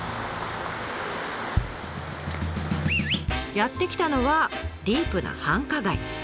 やって来たのはディープな繁華街。